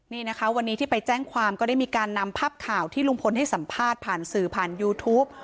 นี่นะคะวันนี้ที่ไปแจ้งความก็ได้มีการนำภาพข่าวที่ลุงพลให้สัมภาษณ์ผ่านสื่อผ่านยูทูป